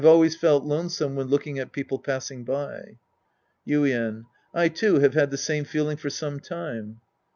vays felt lonesome when looking at people passing by. Yuien. I, too, have had the same feeling for some time.